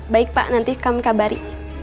baik pak nanti kami kabari